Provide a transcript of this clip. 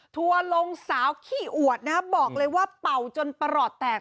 ทัวร์ลงสาวขี้อวดนะฮะบอกเลยว่าเป่าจนประหลอดแตก